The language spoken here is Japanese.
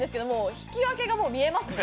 引き分けが見えますね。